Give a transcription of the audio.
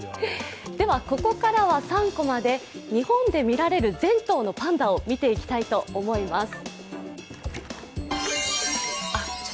ここからは３コマで日本で見られる全頭のパンダを見ていきたいと思います。